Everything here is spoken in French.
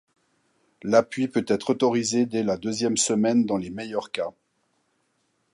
L'appui peut être autorisé dès la deuxième semaine dans les meilleurs cas.